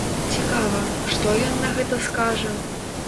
Цікава, што ён на гэта скажа.